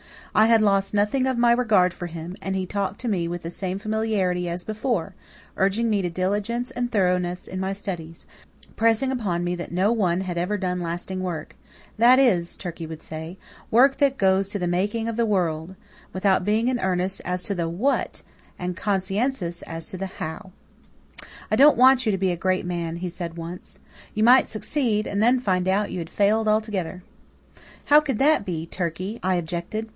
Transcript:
I had lost nothing of my regard for him, and he talked to me with the same familiarity as before, urging me to diligence and thoroughness in my studies, pressing upon me that no one had ever done lasting work, "that is," Turkey would say "work that goes to the making of the world," without being in earnest as to the what and conscientious as to the how. "I don't want you to try to be a great man," he said once. "You might succeed, and then find out you had failed altogether." "How could that be, Turkey?" I objected.